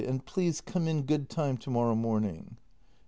And please come in good time to morrow morning.